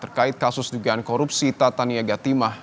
terkait kasus dugaan korupsi tata niaga timah